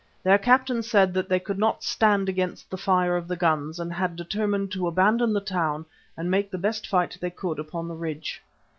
Their captain said that they could not stand against the fire of the guns and had determined to abandon the town and make the best fight they could upon the ridge.